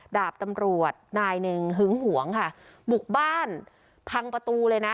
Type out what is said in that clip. ดาบตำรวจนายหนึ่งหึงหวงค่ะบุกบ้านพังประตูเลยนะ